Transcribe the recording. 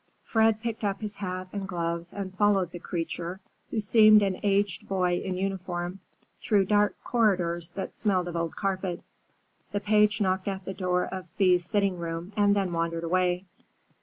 Fred picked up his hat and gloves and followed the creature, who seemed an aged boy in uniform, through dark corridors that smelled of old carpets. The page knocked at the door of Thea's sitting room, and then wandered away.